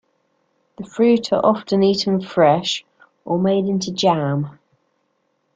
The fruit are often eaten fresh, or made into jam.